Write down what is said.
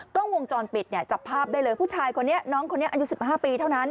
กล้องวงจรปิดเนี่ยจับภาพได้เลยผู้ชายคนนี้น้องคนนี้อายุ๑๕ปีเท่านั้น